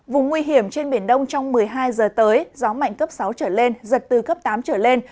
vùng nguy hiểm trên biển đông trong một mươi hai giờ tới gió mạnh cấp sáu trở lên giật từ cấp tám trở lên